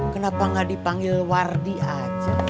kenapa gak dipanggil wardi aja